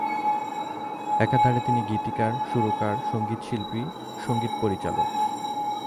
একাধারে তিনি গীতিকার, সুরকার, সঙ্গীত শিল্পী, সঙ্গীত পরিচালক।